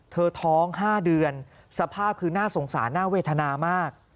ท้อง๕เดือนสภาพคือน่าสงสารน่าเวทนามาก